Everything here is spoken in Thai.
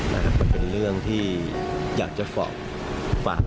มันเป็นเรื่องที่อยากจะฝาก